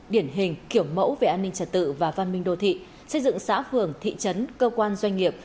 điển hình kiểu mẫu về an ninh trật tự và văn minh đô thị xây dựng xã phường thị trấn cơ quan doanh nghiệp